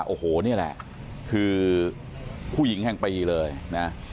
โอ้โหนี่แหละคือผู้หญิงแห่งปีเลยนะ